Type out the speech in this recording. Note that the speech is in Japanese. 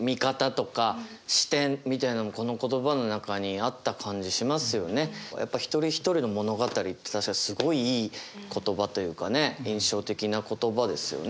何かこうねやっぱ一人一人の物語って確かにすごいいい言葉というかね印象的な言葉ですよね。